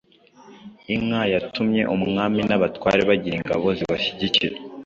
Inka yatumye umwami n'abatware bagira ingabo zibashyigikira.